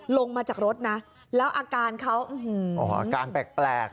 ลงมาจากรถน่ะแล้วอาการเขาอื้อหืออ๋ออาการแปลกแปลกน่ะ